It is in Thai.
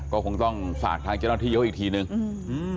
ก็คงต้องฝากทางเจ้าหน้าที่เขาอีกทีนึงอืม